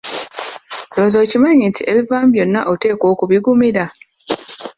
Ndowooza okimanyi nti ebikivaamu byonna oteekwa okubigumira?